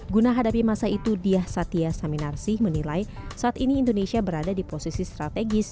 guna hadapi masa itu diah satya saminarsi menilai saat ini indonesia berada di posisi strategis